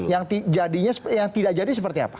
yang tidak jadi seperti apa